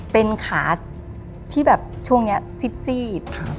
เป็นขาที่แบบช่วงนี้ซีด